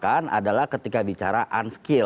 kondisi itu adalah ketika bicara unskill